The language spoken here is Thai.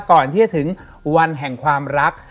ก่อนที่จะถึงวันแห่งความรัก